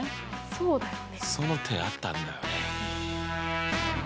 その手あったんだよね。